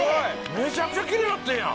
めちゃくちゃきれいになってるやん。